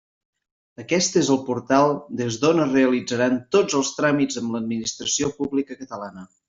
Aquest és el portal des d'on es realitzaran tots els tràmits amb l'administració pública catalana.